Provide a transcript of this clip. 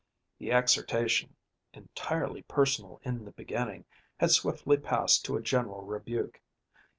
The exhortation, entirely personal in the beginning, had swiftly passed to a general rebuke.